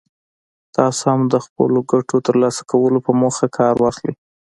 تاسې هم د خپلو ګټو ترلاسه کولو په موخه کار واخلئ.